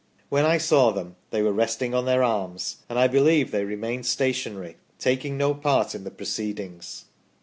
When I saw them they were resting on their arms, and I believe they remained stationary, taking no part in the proceedings".